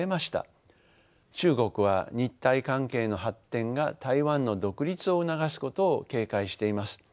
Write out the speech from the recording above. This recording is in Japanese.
中国は日台関係の発展が台湾の独立を促すことを警戒しています。